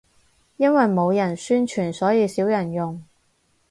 因為冇人宣傳，所以少人用